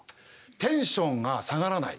テンションが下がらない。